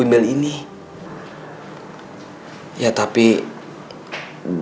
makanya saya mengizinkan kamu untuk mengajar di tempat ini